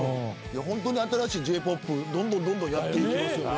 ホントに新しいＪ−ＰＯＰどんどんやっていきますよね。